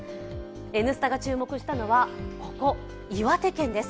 「Ｎスタ」が注目したのはここ、岩手県です。